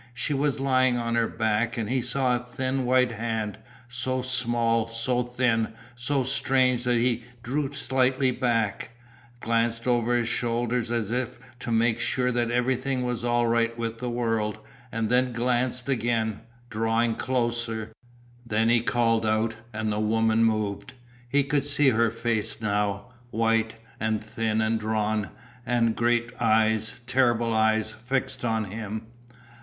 She was lying on her back and he saw a thin white hand, so small, so thin, so strange that he drew slightly back, glanced over his shoulder, as if to make sure that everything was all right with the world, and then glanced again, drawing closer. Then he called out and the woman moved. He could see her face now, white, and thin and drawn, and great eyes, terrible eyes, fixed on him.